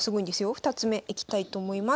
２つ目いきたいと思います。